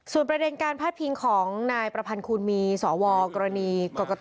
ประเด็นการพาดพิงของนายประพันธ์คูณมีสวกรณีกรกต